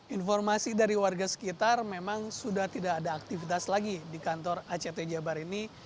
informasi dari warga sekitar memang sudah tidak ada aktivitas lagi di kantor act jabar ini